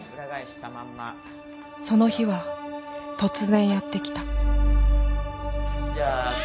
その日は突然やって来たうわ！